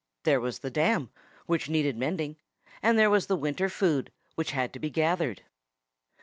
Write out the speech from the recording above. There was the dam, which needed mending; and there was the winter's food, which had to be gathered.